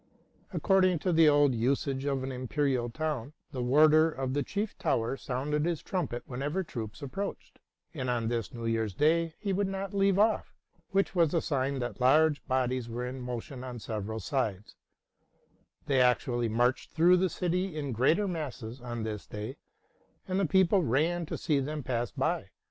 According to the old usage of an imperial town, the warder of the chief tower sounded his trumpet whenever troops approached ; and on this New Year's Day he would not leave off, which was a sign that large bodies were in motion on several sides, They actually marched through the city in greater masses on this day, and the people ran to see them pass by.